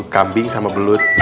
kambing sama belut